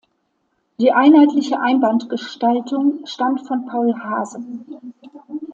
Die einheitliche Einbandgestaltung stammt von Paul Haase.